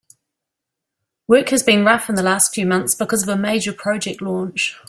Work has been rough in the last few months because of a major project launch.